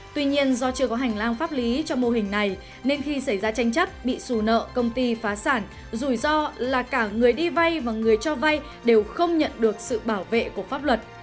tuy nhiên do chưa có hành lang pháp lý cho mô hình này nên khi xảy ra tranh chấp bị xù nợ công ty phá sản rủi ro là cả người đi vay và người cho vay đều không nhận được sự bảo vệ của pháp luật